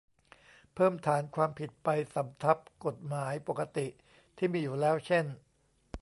เพิ่มฐานความผิดไปสำทับกับกฎหมายปกติที่มีอยู่แล้วเช่น